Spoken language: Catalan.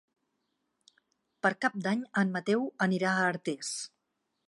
Per Cap d'Any en Mateu anirà a Artés.